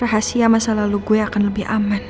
rahasia masa lalu gue akan lebih aman